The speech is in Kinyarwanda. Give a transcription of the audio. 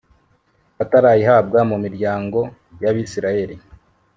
batarayihabwa mu miryango y abisirayeli